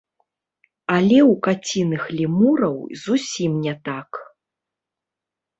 Але ў каціных лемураў зусім не так.